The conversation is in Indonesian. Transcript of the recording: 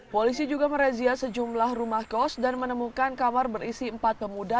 polisi juga merazia sejumlah rumah kos dan menemukan kamar berisi empat pemuda